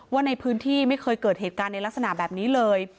ว่าในพื้นที่ไม่เคยเกิดเหตุการณ์ในลักษณะแบบนี้เลย